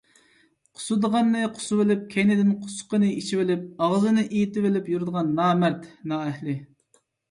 قۇسۇدىغاننى قۇسۇۋېلىپ كەينىدىن قۇسۇقىنى ئىچىۋېلىپ ئاغزىنى ئېيتىۋېلىپ يۈرىدىغان نامەرد، نائەھلى.